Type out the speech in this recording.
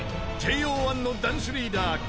［ＪＯ１のダンスリーダー